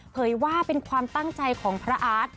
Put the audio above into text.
เผยว่าเป็นความตั้งใจของพระอาร์ต